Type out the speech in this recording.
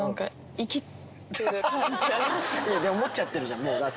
思っちゃってるじゃん。